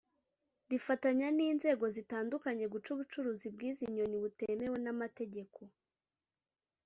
rifatanya n’inzego zitandukanye guca ubucuruzi bw’izi nyoni butemewe n’amategeko